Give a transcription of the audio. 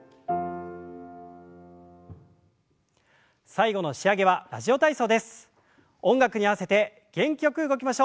最後の仕上げは「ラジオ体操」です。